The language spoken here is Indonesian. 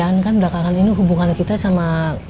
lagian kan belakangan ini hubungan kita sama